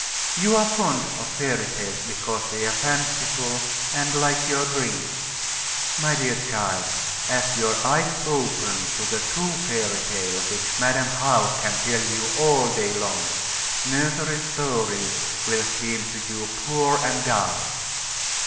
You are fond of fairy tales, because they are fanciful, and like your dreams. My dear child, as your eyes open to the true fairy tale which Madam How can tell you all day long, nursery stories will seem to you poor and dull.